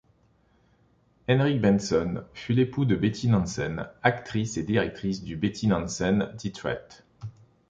Henrik Bentzon fut l'époux de Betty Nansen, actrice et directrice du Betty Nansen Teatret.